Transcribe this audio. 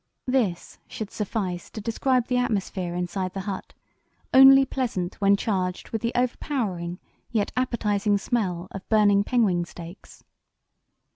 This should suffice to describe the atmosphere inside the hut, only pleasant when charged with the overpowering yet appetizing smell of burning penguin steaks.